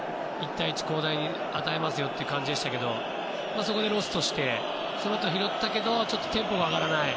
１対１、広大に与えますよっていう感じでしたけどそこでロストしてそのあと拾ったけどちょっとテンポが上がらない。